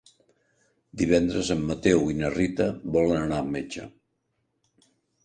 Divendres en Mateu i na Rita volen anar al metge.